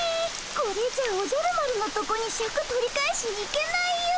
これじゃあおじゃる丸のとこにシャク取り返しに行けないよ。